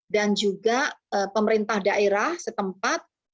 dan juga pemerintah daerah setempat